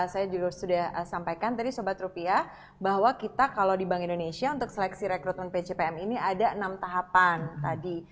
saya juga sudah sampaikan tadi sobat rupiah bahwa kita kalau di bank indonesia untuk seleksi rekrutmen pcpm ini ada enam tahapan tadi